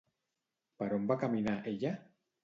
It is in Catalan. Per on va caminar ella?